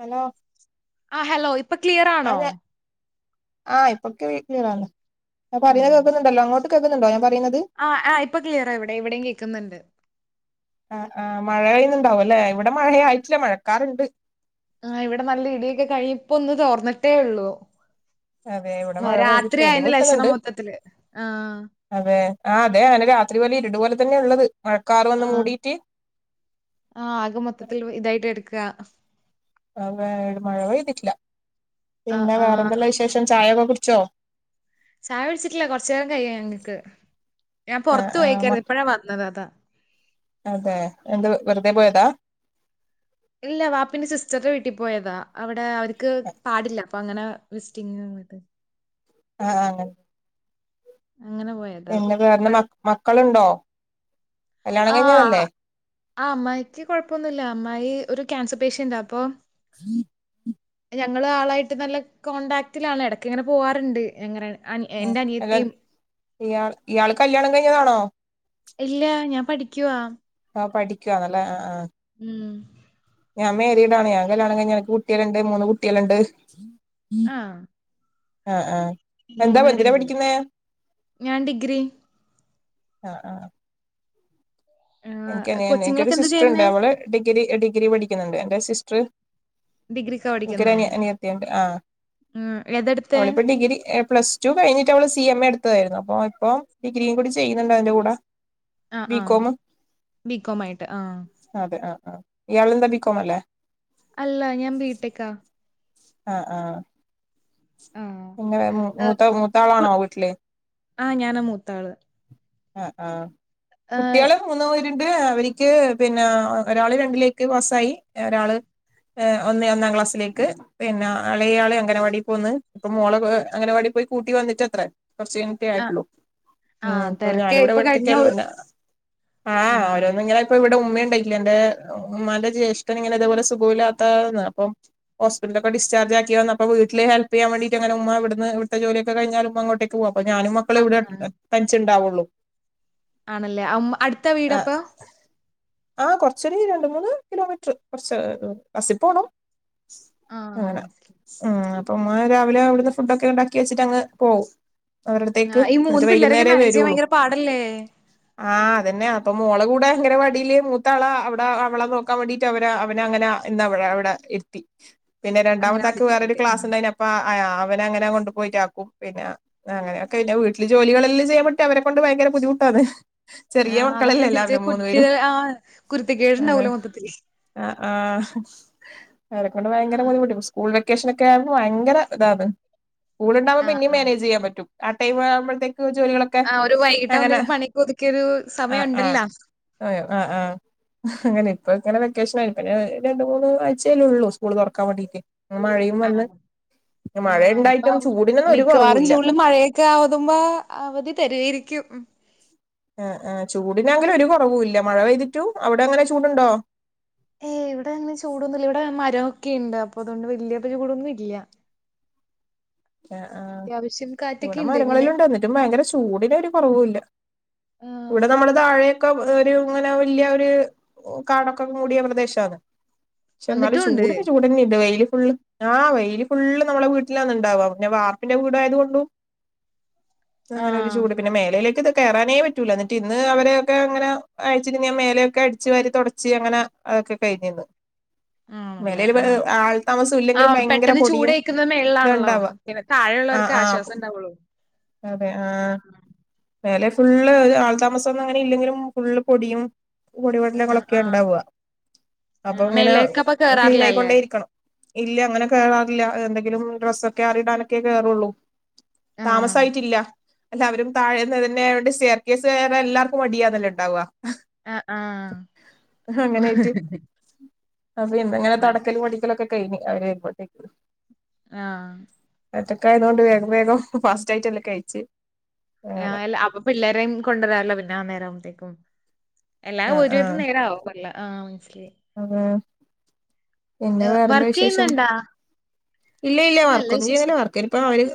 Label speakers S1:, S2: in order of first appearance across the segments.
S1: Hello
S2: ആ hello ഇപ്പൊ
S1: ആ
S2: ക്ലിയറാണോ?
S1: ഞാൻ ആ ഇപ്പൊ ക്ലിയറാആണ്
S2: ആ
S1: പറയുന്ന കേൾക്കുന്നുണ്ടല്ലോ അങ്ങോട്ട് കേൾക്കുന്നുണ്ടോ ഞാൻ പറ
S2: ആ ആ ഇപ്പൊ ക്ലിയറാ ഇവിടെ ഇവിടെയും കേൾക്കുന്നുണ്ട്.
S1: ആ ആ മഴ പെയ്യുന്നുണ്ടാവും ല്ലേ. ഇവിടെ മഴ ആയിട്ടില്ല മഴക്കാറണ്ട്.
S2: ആ ഇവിടെ നല്ല ഇടിയൊക്കെ കഴിഞ്ഞ ഇപ്പൊ ഒന്ന് തോർന്നിട്ടേ ഒള്ളൂ.
S1: അതെ ഇവിടെ മഴ പെയ്തിട്ടില്ല
S2: ലക്ഷണം
S1: ഇടിപ്പോട്ടുന്നുണ്ട്.
S2: മൊത്തത്തില്. ആ
S1: അതെ ആ അതെ [unintelligible] രാത്രി പോലെ ഇരുട്പോലെ തന്നെ ഉള്ളത്. മഴക്കാറ്
S2: ആ
S1: വന്ന് മൂടിയിട്ട്
S2: ആ ആകെ മൊത്തത്തിൽ ഇതായിട്ട് കെടക്ക.
S1: വേ മഴ പെയ്തിട്ടില്ല
S2: ആ
S1: പിന്നെ
S2: ആ
S1: വേറെന്തെല്ലാ വിശേഷം ചായയൊക്കെ [unintelligible] ച്ചോ
S2: ചായ കുടിച്ചിട്ടില്ല കുറചേരം കഴിയും ഞങ്ങക്ക്. ഞാൻ
S1: ആ
S2: പൊർത്ത്
S1: ആ
S2: പോയെക്കാർന്നു
S1: മക്ക-
S2: ഇപ്പഴ വന്നത് അതാ.
S1: അതെ എന്ത് വെറുതെ പോയതാ
S2: ഇല്ല വാപ്പിന്റെ സിസ്റ്ററിന്റെ വീട്ടി പോയതാ അവിടെ അവർക്ക് പാടില്ല അപ്പൊ അങ്ങനെ വിസിറ്റിംഗ് [inaudible]
S1: ആഹ.
S2: അങ്ങനെ പോയതാ.
S1: എന്റെ
S2: വെറു-
S1: [unintelligible] മക്കളുണ്ടോ കല്യാണം
S2: ആ
S1: കഴിഞ്ഞതല്ലേ
S2: ആ അമ്മായിയ്ക്ക് കുഴപ്പന്നുല്ല അമ്മായി ഒരു ക്യാൻസർ പേഷ്യന്റ് അപ്പൊ.
S1: [inaudible]
S2: ഞങ്ങള് ആളായിട്ട് നല്ല കോൺടാക്റ്റിലാണ് ഇടക്ക് ഇങ്ങനെ പോവാറുണ്ട് അങ്ങനെണ്. ആ എന്റെ അനിയത്തിയും.
S1: ഇയാൾ ഇയാൾ കല്യാണം കഴിഞ്ഞതാണോ.
S2: ഇല്ല ഞാൻ പഠിക്കുവാ.
S1: പഠിക്കുവാണെല്ലെ ആ ആ.
S2: ഉം.
S1: ഞാൻ മേരിടാണ് ഞാൻ കല്യാണം കഴിഞ്ഞ [unintelligible] മൂന്ന് കുട്ടികളുണ്ട്.
S2: ആഹ.
S1: ആഹ ആഹ എന്താ എന്തിനാ പഠിക്കുന്നേ.
S2: ഞാൻ ഡിഗ്രി.
S1: ആ ആ എനിക്ക്
S2: ആഹ്
S1: എനിക്കൊരു
S2: കൊച്ചുങ്ങളൊക്കെ എന്താ
S1: സിസ്റ്റർുണ്ട്
S2: ചെയ്യുന്നേ?
S1: അവള് ഡിഗ്രി ഡിഗ്രി പഠിക്കുന്നുണ്ട് എന്റെ സിസ്റ്റർ.
S2: ഡിഗ്രിക്കാ പഠിക്കുന്നേ?
S1: [unintelligible] അനിയത്തി ണ്ട് ആഹ.
S2: ഉം. ഏതെടുത്തേ?
S1: അവളിപ്പ ഡിഗ്രി പ്ലസ് ടു കഴിഞ്ഞിട്ട് അവള് സി എം എ [unintelligible] [unintelligible] അപ്പൊ ഇപ്പം ഡിഗ്രീ കൂടെ ചെയ്യുന്നുണ്ട് അതിന്റെ കൂടെ.
S2: ആഹ ആഹ
S1: ബികോം
S2: ബികോം ആയിട്ട് ആ
S1: ആ ഇയാളും ന്താ ബികോം അല്ലേ
S2: അല്ല ഞാൻ ബി ട്ടെ ക്കാ.
S1: ആഹ ആഹ.
S2: ആഹ്.
S1: ഇങ്ങെ
S2: ഏഹ്
S1: മൂത്ത
S2: കു
S1: മൂത്താളാണോ വീട്ടില്.
S2: ആഹ് ഞാനാ മൂത്താള്.
S1: ആ ആ
S2: ഏഹ്
S1: കുട്ടികള് മൂന്ന് [unintelligible] ണ്ട് അവരിക്ക് പിന്നെ ഒരാള് രണ്ടിലേക്ക് പാസായി [unintelligible] ഒന്നേ ഒന്നാം ക്ലാസ്സിലേക്ക് എളേ യാള് അങ്ങനവാടി പോവ്ന്ന് ഇപ്പ മോള [unintelligible] [unintelligible] കൂട്ടി വന്നട്ടത്ര കുറച് [unintelligible]
S2: ആഹ്
S1: ആയിട്ടുള്ളൂ ഉം.
S2: ആഹ് തെരക്കാ
S1: ഞാനിവിടെ
S2: ഇപ്പൊ
S1: ഒറ്റക്കെ
S2: കഴിഞ്ഞ
S1: ഒള്ളു
S2: ഒ
S1: [unintelligible] ആ
S2: ആഹ്.
S1: ഓരോന്നിങ്ങനെ [unintelligible] [unintelligible] ഉമ്മയിണ്ട് [unintelligible] ഉമ്മാന്റെ ജേഷ്ഠൻ ഇങ്ങനെ ഇതേപോലെ സുഖം ഇല്ലാത്ത ആണ് അപ്പോ [unintelligible] പ്പോ ഡിസ്ചാർജ് ആക്കി വന്നപ്പോ വീട്ടിൽ ഹെല്പ് ചെയാൻ വേണ്ടിട്ട് ഉമ്മ ഉ ഇവിട്ന്ന് ഇവിത്തെ ജോലിയക്കെ കൈഞ്ഞ [unintelligible] അങ്ങോട്ടേക്ക് പോകാം അപ്പൊ ഞാനും മക്കളും
S2: അങ്ങ
S1: ഇവിടെ തനിച്ചുണ്ടാവുള്ളൂ.
S2: ആണല്ലേ ആ [unintelligible] അടുത്ത വീടപ്പൊ
S1: ആ കൊറച്ചൊരു രണ്ട് മൂന്ന് കിലോമീറ്റർ കൊറച്ച് ബസി പ്പോണം.
S2: ആഹ്
S1: അങ്ങനെ
S2: മനസ്സിലായി.
S1: [inaudible] ഉമ്മ രാവിലെ അവിടുന്ന് ഫുഡ ഒക്കെ ഉണ്ടാക്കി വെച്ചിട്ട്ങ്ങ് പോവും. അവരടത്തേക്ക് എന്നിട്ട്‌വൈകുന്നേരേ വരള്ളൂ.
S2: അല്ലേ
S1: ആഹ് അതന്നെ അപ്പൊ മോളെ കൂടെ അങ്കലവടിയില് മൂത്താള അവവിടെ അവളെ നോക്കാൻ വേണ്ടീട്ട് അവര് അവന അങ്ങനെ വിടെ ഇര്ത്തി പിന്നെ രണ്ടാമത്തെ ആക്ക്‌വേറരു
S2: അംഗനവാടിക്കാർക്ക്. ആഹ്.
S1: ക്ലാസ്ണ്ട അപ്പ അവന അങ്ങനെ കൊണ്ടു പോയിട്ടാക്കും പിന്നെ അങ്ങനെയൊക്കെ പിന്നെ വീട്ടിൽ ജോലികളെല്ലാം ചെയ്യുമ്പെ [unintelligible] അയ്നോണ്ട്ഭയങ്കര ബുദിമുട്ടാണ്ണെ
S2: ആ അവന ചോച്ച കുട്ടികൾ ആ കുരുത്തി കേട്ണ്ടാവൂലോ മൊത്തത്തില്ൽ
S1: ആ ആ് അരെക്കൊണ്ട് ഭയങ്കര
S2: ആഹ്.
S1: ബുദ്ധിമുട്ട് സ്കൂൾ - വൊക്കേഷൻ ഒക്കെ ആകുമ്പോൾ ഭയങ്കര ഇതാണ് സ്കൂള ഉണ്ടാവക്പോ
S2: ആഹ്
S1: പിന്നെയും
S2: ആഹ്.
S1: മാനേജ് ചെയ്യാൻ പറ്റും. ആ ടൈം ആവുമ്പഴേക്കക്ക് ജോലികളൊക്കെ
S2: ആഹ് ഒരു
S1: അങ്ങനെ
S2: വൈകിട്ടാവുമ്പത്തേക്കും പണിയൊക്കെ ഒതുക്കിയൊരു
S1: ആഹ ആഹ
S2: സമയണ്ടല്ലോ.
S1: അയോ ആഹ് ആഹ അങ്ങനെ ഇപ്പ ഇങ്ങനെ വെക്കെക്കേഷന ആയിപ്പ രണ്ട മൂന്ന് ആഴ്ചോലേ ഉള്ളൂ സ്കൂള് തെറക്കാൻ വേണ്ടിട്ട് - മഴയും വന്ന്
S2: [unintelligible] ആ
S1: ഉണ്ടായിട്ടും ചൂടിനൊന്നും ഒരു
S2: മിക്കവാറും
S1: കുറവുല്ല
S2: ചൂടു മഴയൊക്കെ ആവതുമ്പോ അവധി തെരായിരിക്കും. [unintelligible]
S1: ആ ആ് ചൂടിനാങ്കിലും ഒരു കുറവ ഇല്ല മഴ പെയ്തിട്ടു അവിടെ അങ്ങനെ ചൂടുണ്ടോ?
S2: ഏയ് ഇവിടെ അങ്ങനെ ചൂടൊന്നുമല്ല ഇവിടെ മരം ഒക്കെയുണ്ട് അപ്പൊ അതുകൊണ്ട് വലിയ ചൂട് കൂടൊന്നും ഇല്ല
S1: ആ ആ
S2: അത്യാവശ്യം
S1: ഇവിടെ
S2: കാറ്റൊക്കെയിണ്ട് ഇങ്ങനെ.
S1: മരങ്ങളില ഉണ്ട്ന്നിട്ടും ഭയങ്കര ചൂടിന ഒരു കൊറവൂല്ല
S2: ആഹ്.
S1: ഇവിടെ നമ്മുടെ താഴെയൊക്കെ ഒരു ഇങ്ങനെ വല്യ ഒരു കാടക്കെ മൂടിയ പ്രദേശണ പക്ഷെ എന്നാലും
S2: എന്നിട്ടും ഉണ്ട്.
S1: ചൂടിന് ചൂടന്നെ ഇണ്ട് വെയില് ഫുള് ആഹ വൈല് ഫുള്ള് നമ്മളെ വീട്ടിലന്ന ഇണ്ടാവാ പിന്നെ വാർപ്പിന്റെ വീട ആയത് കൊണ്ടു അങ്ങനെ ഒരു
S2: ആഹ്.
S1: ചൂട് പിന്നെ മേലേയിലേക്ക് ഇത് കയറാനേ പറ്റ പറ്റില്ല എന്നിട്ട് ഇന്ന് അവരൊക്കെ അങ്ങനെ അയച്ചി മേലെയൊക്കെ അടിച്ച് വരി തുടച്ച് അങ്ങനെ അതൊക്കെ കഴിഞ്ഞന്ന് [unintelligible]
S2: ആണല്ലേ ആ ആ
S1: ഭയങ്കര
S2: പെട്ടെന്ന് ചൂട്
S1: പൊടിയും
S2: കഴിക്കുന്നത് മെല്
S1: ഇതാ
S2: ആണല്ലോ
S1: ഉണ്ടാവുക
S2: പിന്നെ
S1: ആ
S2: താഴായുള്ളവർക്ക്.
S1: ആ
S2: കെആശ്വസം ഉണ്ടാവുള്ളൂ
S1: [unintelligible] അതെ ആ
S2: ആഹ്.
S1: മെലെ ഫുള്ള് ആൾതാമസംന്നും അങ്ങനെ ഇല്ലെങ്കിലും ഫുള്ള് പൊടിയും.
S2: ആഹ്
S1: പൊടിപടലങ്ങളൊക്കെ
S2: ആഹ്.
S1: ഉണ്ടാക അപ്പൊ
S2: ആഹ്
S1: ഇങ്ങനെ
S2: മേളിലേക്ക് അപ്പൊ
S1: ക്ലീൻ
S2: കേറാറില്ലല്ലേ?
S1: ആയിക്കൊണ്ടേ ഇരിക്കണം. ഇല്ല അങ്ങനെ കേറാറില്ല എന്തെങ്കിലും ഡ്രസ്സൊക്കെ അറിയിടാനൊക്കെ കേയറുള്ളൂ
S2: ആഹ്.
S1: താമസായിട്ടില്ല എല്ലാവരും. താഴ്ന്നന്നെണ്ട് ഷെയർ കേസ് എല്ലാവർക്കും മടിയാനല്ലെ ഉണ്ടാക
S2: ആ ആ ആഹ്
S1: അ പിന്നെങ്ങനെ
S2: ആഹ്.
S1: തെടക്കൽ അടിക്കലൊക്കെ കയിഞ്ഞ അവര് വരുമ്പോൾത്തേക്ക്.
S2: ആഹ
S1: ഒറ്റക്കായതുകൊണ്ട് വേഗം വേഗം ഫാസ്റ്റ് ആയിട്ട് എല്ലാം കഴിച്ച
S2: അപ്പൊ പിള്ളേരെയും കൊണ്ടുവരാമല്ലോ പിന്നെ അന്ന നേരംവുമ്പഴത്തേക്കും. എല്ലാം ഒരു നേരം ആവല്ല ആഹ മനസ്സിലായി.
S1: അത പിന്നെ വേറെന്താ
S2: വർക്ക്
S1: വിശേഷം.
S2: ചെയ്യുന്നുണ്ടാ?
S1: ഇല്ല ഇല്ല
S2: നല്ല
S1: വർക്കൊ ഒന്നും
S2: വിശേഷം.
S1: ചെയല്ല വർക്ക ഇപ്പ അവര്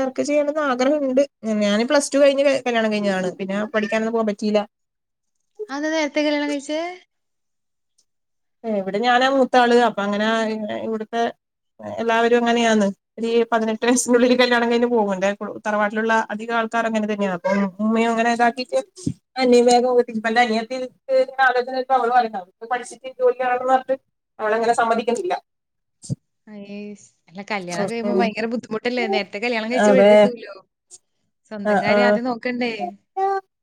S1: വർക്ക് ചെയ്യണം. ആഗ്രഹമുണ്ട് ഞാന് പ്ലസ് ടു കഴി കല്യാണം കഴിഞ്ഞതാണ് പിന്നെ പഠിക്കാനൊന്നും പോവാൻ പറ്റിയില്ല.
S2: അതന്താ നേരത്ത, കല്യാണം, കഴിച്ച
S1: ഇവിടെ ഞാനാ മൂത്താള് അപ്പൊ അങ്ങനെ ഇവിടുത്തെ എല്ലാവരും അങ്ങനെയാണ് ഈ പതിനെട്ട വയസ്സിനുള്ളിൽ കല്യാണം കഴിഞ്ഞ പോകുന്നുണ്ട തറവാട്ടിലുള്ള അധിക ക്കെ ങ്ങനെതന്നെയാ അപ്പൊ ഉമ്മെ അങ്ങനെതന്നെ [unintelligible] [unintelligible] പഠിച്ചിട്ട് ജോലിയാണപറഞ്ഞ് അവളങ്ങനെ സമ്മതിക്കുന്നില്ല
S2: അ ഏ അല്ല കല്യാണം
S1: ഉം
S2: കഴുമ്പോ
S1: ഉം
S2: ഭയങ്കര ബുദ്ധിമുട്ടല്ലേ നേരത്തെ കല്യാണം കഴിച്ചു
S1: അതെ
S2: വിടരുതല്ലോ സ്വന്തം കാര് ആദ്യനോക്കണ്ടേ
S1: [unintelligible]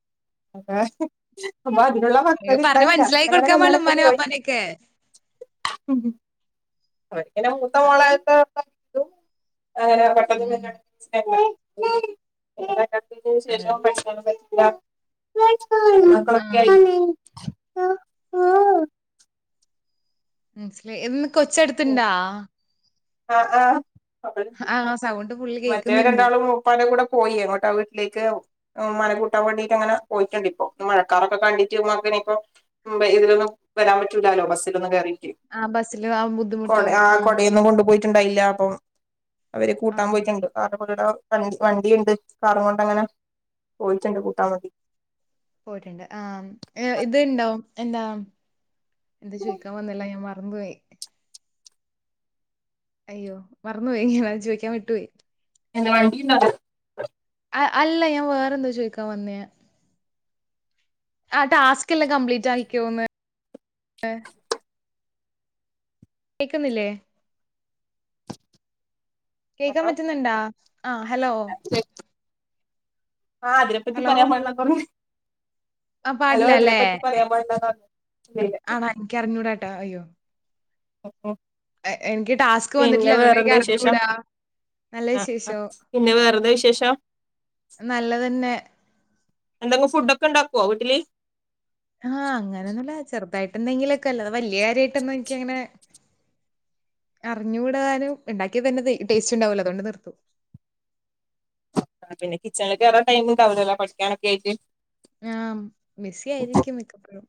S1: അ അപ്പൊ അതിനുള്ള
S2: അയ്യോ,
S1: പക്വോത
S2: പറഞ്ഞ്
S1: ണ്ടായില്ല
S2: മനസ്സിലാക്കി കൊടുക്കാൻ പാടില്ലേ
S1: ഞങ്ങടെകല്യാണം
S2: ഉമ്മാനേം വാപ്പാനേം ഒക്കെ.
S1: [unintelligible] ഒരിക്ക മൂത്ത
S2: അ
S1: മോളായിത്ത [unintelligible] [unintelligible]
S2: ഉം അൽ
S1: മക്കൾ ഒക്കെആയി
S2: ആഹ് മനസ്സിലായി എന്ന് കൊച്ച് അടുത്ണ്ട
S1: ആഹ ആഹ
S2: ആഹ, സൗണ്ട് ഫുള്ള്
S1: മറ്റേ
S2: കേക്കുന്നുണ്ട്.
S1: രണ്ടാളും ഉപ്പാന്റെ കൂടെ പോയി എങ്ങോട്ട വീട്ടിലേക്ക് മ്മാനെ കൂട്ടാൻ വേണ്ടീട്ട് അങ്ങനെ, പോയിട്ടുണ്ട് ഇപ്പൊ മഴക്കാറൊക്കെ കണ്ടിട്ട്ങ്ങനെ ഇപ്പോ മുംബൈലിലൊന്നും വരാൻ പറ്റൂലാല്ലോ ബസ്സിലൊന്നും കേറി
S2: ആഹ് ബസ്സില് ആ
S1: കൊട
S2: ബുദ്ധിമുട്ടാവും
S1: ആ
S2: ആഹ്
S1: കൊടയൊന്നും കൊണ്ടു പോയിട്ടുണ്ടായില്ല, അപ്പൊ ആ
S2: ആഹ്
S1: ഓൻപോയിട്ടുണ്ട് [unintelligible] വണ്ടി വണ്ടിയുണ്ട് കാറും കൊണ്ടങ്ങനെ പോയിട്ടുണ്ട് കൂട്ടാ മതി
S2: പോയിട്ടുണ്ട് ആ ഏ ഇത്ഇണ്ടാവും എന്താ എന്താ, ചോയ്ക്കാൻ, വന്നല്ല, ഞാൻ, മറന്ന, പോയി അയ്യോമറന്നു പോയി അത് ചോയ്ക്കാൻ വിട്ടു പോയി
S1: [unintelligible]
S2: അല്ല ഞാൻ വേറെന്തോ ചോയ്ക്കാൻ വന്നേ ആ ടാസ്ക് എല്ലാം കംപ്ലീറ്റ് ആയിക്കോന്ന് ന്ന് കേക്കുന്നില്ലേ കേൾക്കാൻ
S1: ഹലോ
S2: പറ്റുന്നുണ്ടാ ആഹ ഹലോ
S1: ആഹ് അതിനെ പറ്റി
S2: ഹലോ
S1: പറയാൻ പാടില്ലന്ന് പറഞ്ഞു
S2: ആ
S1: ഹലോ
S2: പാടില്ലാ ലെ
S1: അതിനെപ്പറ്റി പറയാൻ
S2: [unintelligible]
S1: പാടില്ലാന്ന് പറഞ്ഞു
S2: എനിക്ക് അറിഞ്ഞൂട ട്ടാ അയ്യോ
S1: [unintelligible]
S2: എനിക്ക്, ടാസ്ക്, വന്നിട്ടില്ല, അതുകൊണ്ട്, എനിക്ക്, അറിഞ്ഞൂടാ നല്ല
S1: ആ, ആ,
S2: വിശേഷോ?
S1: പിന്നെ, വേറെതാ, വിശേഷം
S2: നല്ലതന്നെ
S1: എന്തെങ്ങും, ഫുഡ്‌ ഒക്കെ, ഉണ്ടാക്കുവോ, വീട്ടില്
S2: ആഹ്, അങ്ങനെയൊന്നുല്ലാ ചെറുതായിട്ട്, എന്തെങ്കിലും ഒക്കെ അല്ലാതെ വെല്ലിയെ കാര്യായിട്ടൊന്നും എനിക്കങ്ങനെ അറിഞ്ഞുടാനും ഇണ്ടാക്കിയതന്നെ ടേസ്റ്റ്ഇണ്ടാവൂല അതൊണ്ട്, നിർത്തും
S1: ആ പിന്നെ കിച്ചണില് കേറാൻ ടൈമും ഇണ്ടാവൂലല്ലോ പഠിക്കാനൊക്കെ ആയിട്ട്
S2: ആഹ ബിസിയായിരിക്കും മിക്കപ്പഴും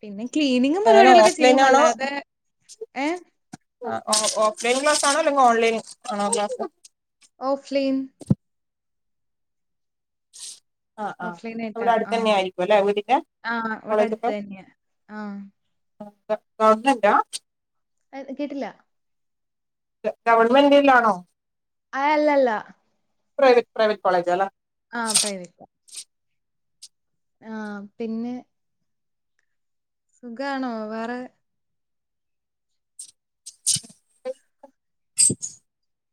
S2: പിന്നെ
S1: എങ്ങനെ
S2: പരിപാടികളൊക്കെ
S1: ഓഫ്ലൈൻ
S2: ചെയ്യും.
S1: ആണോ
S2: അല്ലാതെ ഏഹ്
S1: ഓഫ്ലൈൻ ഓൺലൈൻ ആണോ
S2: ഓഫ്ലൈൻ
S1: ആഹ് ആ്ഹ്
S2: ഓഫ് ലൈൻ ആയിട്ടാ.
S1: അവിടെ അടുത്തു തന്നെ
S2: ആഹ്
S1: ആയിരിക്കും അല്ലേ വീടിന്റെ കോളേജൊക്കെ
S2: ആഹ
S1: [unintelligible]
S2: ആ കേട്ടില്ല
S1: ഗവണ്മെന്റിൽ ആണോ
S2: ആ അല്ലല്ല
S1: പ്രൈവേറ്റ് പ്രൈവേറ്റ് കോളജല്ല
S2: ആഹ പ്രയവറ്റ ആഹ പിന്നെ സുഖാണോ വേറെ
S1: [inaudible]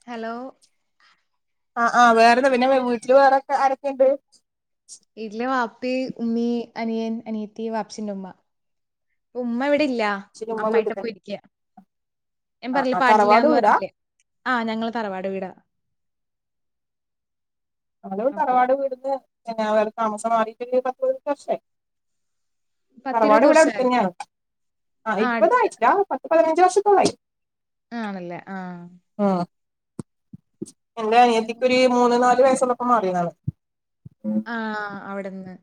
S2: ഹലോ
S1: ആഹ് ആഹ് വേറെ എന്താ പിന്നെ വീട്ടില് വേറെൊക്കെ ആരൊക്കെയുണ്ട്
S2: വീട്ടില് വാപ്പി, ഉമ്മീ, അനിയൻ, അനിയത്തി, വാപ്പിച്ചിന്റെ ഉമ്മ ഉമ്മ ഇവ പ്പി ഇല്ല്യ
S1: ശരി ഉമ്മ
S2: അമ്മായിട്ട
S1: വീട്ടിൽ തന്നെ.
S2: പോയി ഇരിക്ക്യ ഞൻ
S1: ആ
S2: പറഞ്ഞില്ലേ
S1: ആ തറവാട്
S2: പാടില്ലന്ന്
S1: വീടാ
S2: പറഞ്ഞില്ലേ ആഹ് ഞങ്ങള് തറവാട് വീടാ
S1: നളൾ
S2: അപ്പൊ
S1: തറവാട് വീട്ന്ന് അവ താമസം മാറിട്ട പത്ത് വർഷായ് തറവാട് ഇവടെ
S2: വർഷായി.
S1: അടുത്തന്നെയാണ് ആഹ്
S2: ആ അടുത്ത്.
S1: ഇരുപതായിട്ടില്ല പത്ത് പതിനഞ്ച് വർ [unintelligible]
S2: ആണല്ലേ ആഹ
S1: എന്റെ അനിയത്തിക്ഒരു മൂന്ന് നാല് വയസ്സുള്ളപ്പോ മാറിയതാണ്
S2: അഹ് അവിടന്നെ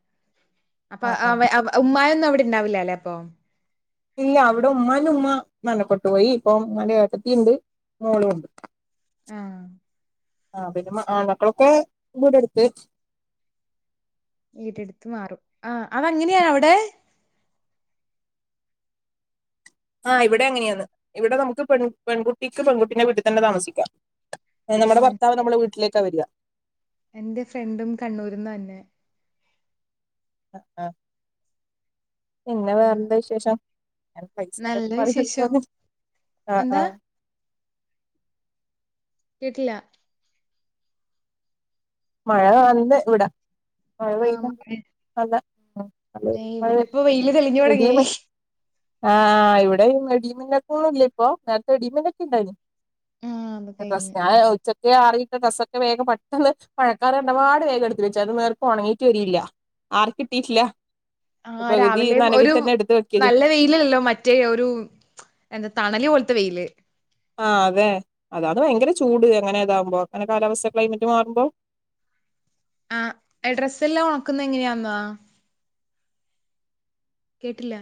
S2: അപ്പോ
S1: ആ
S2: അവ
S1: ആ
S2: ആവേ ഉമ്മയൊന്നും ഉണ്ടാവില്ല അല്ലെ അപ്പൊ
S1: ഇല്ല അവിടെ ഉമ്മാനുമ്മ മരണപ്പെട്ട് പോയി പ്പൊ ഉമ്മാന്റെ എട്ടത്തിണ്ട് മോളുംണ്ട്
S2: ആ.
S1: ആഹ് പിന്നെ ആൺമക്കളൊക്കെ ഇവീടടുത്ത്
S2: വീടെടുത്ത് മാറും. ആഹ അത അങ്ങനെയാണ അവിടെ
S1: ആഹ് ഇവിടെ എങ്ങനെയാണ് ഇവിടെ നമുക്ക് പെൺ പെൺകുട്ടിക്ക് പെൺകുട്ടീടെ വീട്ടിൽ തന്നെ താമസിക്കാം
S2: ആ
S1: നമ്മുടെ ഭർത്താവ്
S2: മനസ്സിലായി.
S1: നമ്മെ വീട്ടിലേക്കാ വരിക
S2: എന്റെ ഫ്രണ്ടും കണ്ണൂരന്ന് തന്നെ
S1: ആ ആഹ പിന്നെ
S2: ആ.
S1: വേറെന്താ വിശേഷം?
S2: നല്ല വിശേഷം. എന്താ?
S1: [unintelligible]
S2: കേട്ടില്ല
S1: മഴ അന്ന് ഇവിട മഴ
S2: ആ
S1: പെയല്ലണ്ട്
S2: മഴ.
S1: അല്ല
S2: ഏയ് ഇവിടെ
S1: ഏഹ്
S2: ഇപ്പൊ വെയില് തെളിഞ്ഞു തുടങ്ങി.
S1: ഇടിയും ണ്ട് ആഹ ഇവിടെ ഇടീമന്ന ഒക്കൊ ഒന്നല്ല ഇപ്പൊ നേരത്തെ ഇടമന്നൊക്കെ ഉണ്ടായിന്
S2: ആ അത്
S1: ഞ
S2: കഴിഞ്ഞ്.
S1: ഉച്ചക്കെ ആറിയിട്ട് ഡ്രാസൊക്കെ വേഗം പെട്ടെന്ന് പഴക്കാർ ഇടപാട് വേഗം എടുത്തു വെച്ചു അത് നേർക്ക് ഉണങ്ങിട്ട് വരില്ല ആർക്ക കിട്ടിയിട്ടില്ല
S2: ആ രാവിലെ ഒരു
S1: വെക്കല്
S2: നല്ല വെയിലല്ലോ മറ്റേ ഒരു എന്താ തണല് പോലത്തെ വെയില്
S1: ആഹ് അതെ അതാണ് ഭയങ്കര ചൂട് അങ്ങനെ ഇതാവുമ്പോ അങ്ങനെ കാലാവസ്ഥ ക്ലൈമറ്റ് മാറുമ്പോ [inaudible]
S2: ആഹ ഡ്രസ്സ് എല്ലാം ഉണക്കുന്ന എങ്ങനെയാന്നോ കേട്ടില്ല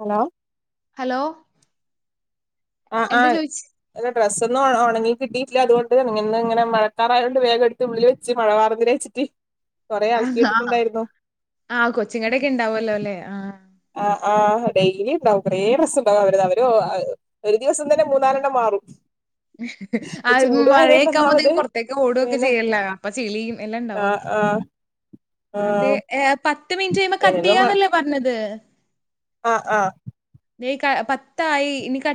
S1: ഹലോ
S2: ഹലോ
S1: ആഹ
S2: എന്താ ചോയിച്ച്
S1: ആഹ് ഡ്രസ്സ്‌ ഒന്നും ഒണങ്ങി കിട്ടീട്ടില്ല അതോണ്ട് ഇന്ന് ഇങ്ങനെ മഴക്കാർ ആയോണ്ട് എടുത്തു ഉള്ളിൽ വെച്ച് കൊറേ അലക്കി
S2: ആ
S1: ഇട്ടിട്ടുണ്ടായിരുന്നു
S2: ആഹ കൊച്ചിങ്ങട ഒക്കെ ഉണ്ടാവല്ലോ അല്ലെ ആഹ
S1: ആ് ആ ഡെയിലലി ഉണ്ടാവും കുറെേ ഡ്രസ്സ്‌ ഉണ്ടാവും അവരു അവര് ഒരു ദിവസം തന്നെ മൂന്നാാലെണ്ണം മാറും
S2: ആ
S1: ഇപ്പൊ ചൂടുവായത് കൊണ്ട്
S2: മഴയൊക്കെ
S1: ഒന്നാമത്
S2: ആകുമ്പോത്തേക്കും പുറത്തേക്ക ഓടൊക്കെ
S1: പിന്നെ
S2: ചെയ്യല്ല അപ്പൊ ചെളിയും എല്ലാം ഉണ്ടാവും
S1: ആഹ
S2: അതെ പത്ത് മിനിറ്റ് കഴുമ്പോ കട്ട് ചെയ്യാന്നല്ലേ പറഞ്ഞത്
S1: ആഹ ആഹ
S2: തെ ക പത്തായി ഇനി കട്ട്യ്യ